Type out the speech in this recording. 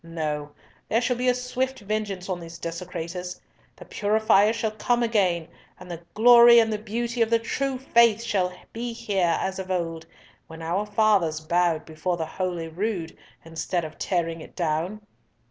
No. There shall be a swift vengeance on these desecrators. The purifier shall come again, and the glory and the beauty of the true Faith shall be here as of old, when our fathers bowed before the Holy Rood, instead of tearing it down."